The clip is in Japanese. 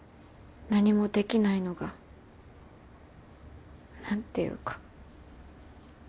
何もできないのが何ていうか。